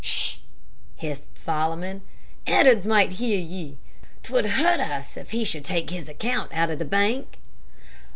"Sh!" hissed Solomon. "Ed'ards might hear ye. 'T would hurt us if he should take his account out of the bank."